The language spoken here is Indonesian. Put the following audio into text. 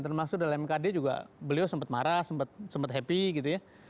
termasuk dalam mkd juga beliau sempat marah sempat happy gitu ya